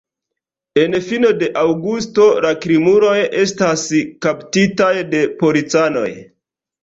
En fino de aŭgusto la krimuloj estas kaptitaj de policanoj.